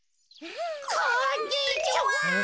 こんにちは。